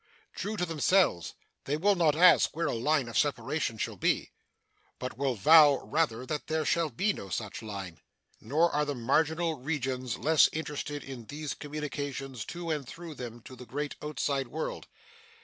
True to themselves, they will not ask where a line of separation shall be, but will vow rather that there shall be no such line. Nor are the marginal regions less interested in these communications to and through them to the great outside world.